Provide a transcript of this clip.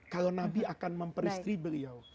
kalau nabi akan memperistri beliau